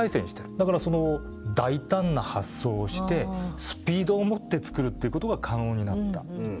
だから大胆な発想をしてスピードをもってつくるっていうことが可能になった。